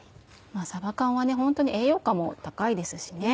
さば缶はホントに栄養価も高いですしね。